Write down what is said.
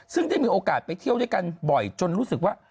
ซึ่งได้มีโอกาสไปเที่ยวด้วยกันบ่อยจนรู้สึกว่า